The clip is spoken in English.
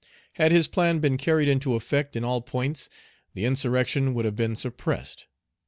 Had his plan been carried into effect in all points, the insurrection would have been suppressed.